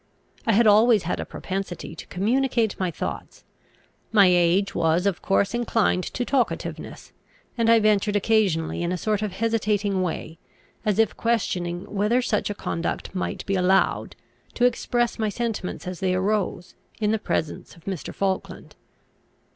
I had always had a propensity to communicate my thoughts; my age was, of course, inclined to talkativeness; and I ventured occasionally in a sort of hesitating way, as if questioning whether such a conduct might be allowed, to express my sentiments as they arose, in the presence of Mr. Falkland.